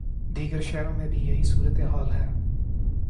دیگر شہروں میں بھی یہی صورت حال ہے۔